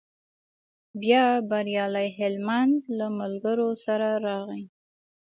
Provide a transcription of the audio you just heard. بیا بریالی هلمند له ملګرو سره راغی.